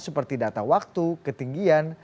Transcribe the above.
seperti data waktu ketinggian